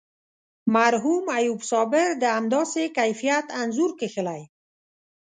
مرحوم ایوب صابر د همداسې کیفیت انځور کښلی.